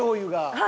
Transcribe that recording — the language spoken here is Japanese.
はい。